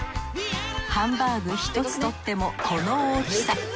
ハンバーグ一つとってもこの大きさ。